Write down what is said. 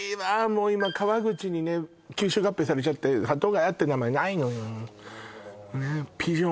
もう今川口にね吸収合併されちゃって鳩ヶ谷って名前ないのよねえ